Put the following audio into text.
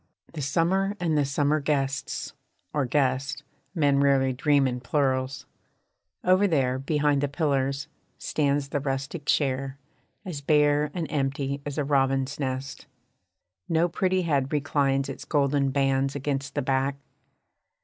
The summer and the summer guests, or guest. (Men rarely dream in plurals.) Over there Beyond the pillars, stands the rustic chair, As bare and empty as a robin's nest. No pretty head reclines its golden bands Against the back.